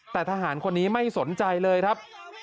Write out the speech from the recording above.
แต่ทหารคนนี้ไม่สนใจเลยครับ